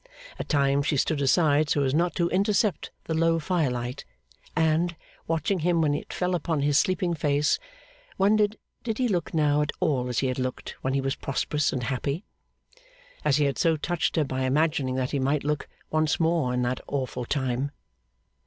At times she stood aside so as not to intercept the low fire light, and, watching him when it fell upon his sleeping face, wondered did he look now at all as he had looked when he was prosperous and happy; as he had so touched her by imagining that he might look once more in that awful time.